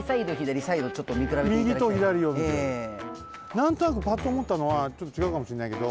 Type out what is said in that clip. なんとなくパッとおもったのはちょっと違うかもしんないけど。